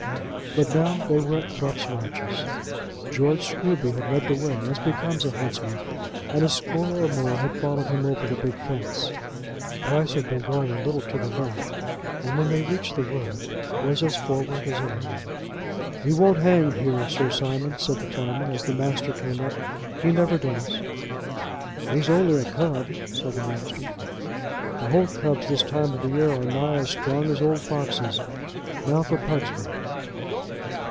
But now they were at Thrupp's larches. George Scruby had led the way, as becomes a huntsman, and a score or more had followed him over the big fence. Price had been going a little to the left, and when they reached the wood was as forward as any one. "He won't hang here, Sir Simon," said the farmer, as the master came up, "he never does." "He's only a cub," said the master. "The holt cubs this time of the year are nigh as strong as old foxes. Now for Pugsby."